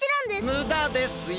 むだですよ。